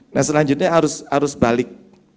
nah selanjutnya arus balik